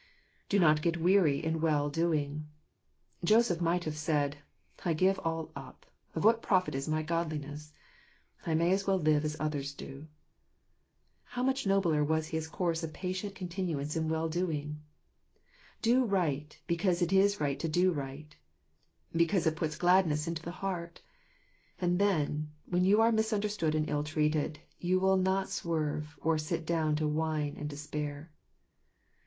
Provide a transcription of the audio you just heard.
Do ?iot get weary in well doing. Joseph might have said, " I give all up ; of what profit is my godliness ? I may as well live as others do." How much nobler was his course of patient continuance in well doing ! Do right, because it is right to do right ; because God sees you ; because it puts gladness into the heart. And then, when you are misunderstood and ill treated, you will not swerve, or sit down to whine and despair.